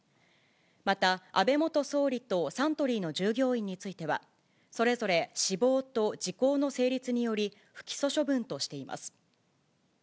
また安倍元総理とサントリーの従業員については、それぞれ死亡と時効の成立により、不起訴処分としています。